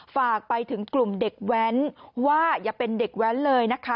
ฝากไปถึงกลุ่มเด็กแว้นว่าอย่าเป็นเด็กแว้นเลยนะคะ